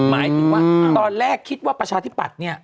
หมายถึงว่าตอนแรกคิดว่าประชาธิปัตย์เนี่ย